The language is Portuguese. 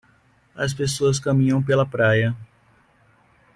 As pessoas caminham pela praia.